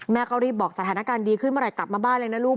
ก็รีบบอกสถานการณ์ดีขึ้นเมื่อไหร่กลับมาบ้านเลยนะลูก